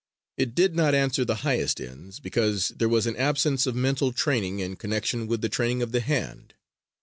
It did not answer the highest ends, because there was an absence of mental training in connection with the training of the hand.